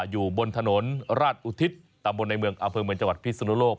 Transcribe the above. อยู่บนถนนราชอุทิศตำบลในเมืองอำเภอเมืองจังหวัดพิศนุโลก